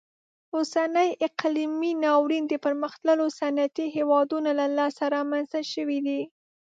اوسنی اقلیمي ناورین د پرمختللو صنعتي هیوادونو له لاسه رامنځته شوی دی.